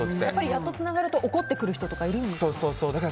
やっとつながると怒ってくる人いるんですか？